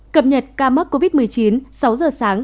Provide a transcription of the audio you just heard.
cập nhật ca mắc covid một mươi chín sáu h sáng ba mươi tháng tám